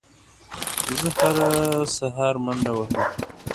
زه هره سهار منډه وهم